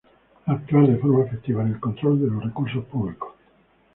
Actuar de forma efectiva en el control de los recursos públicos.